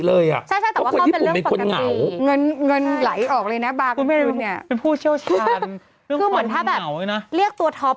ราคาดิ๊งมันจะต่างกันมันจะแพงเลย